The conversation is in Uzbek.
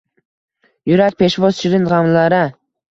Yurak peshvoz shirin gʼamlara.